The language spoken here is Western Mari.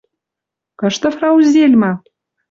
Кышты фрау Зельма?..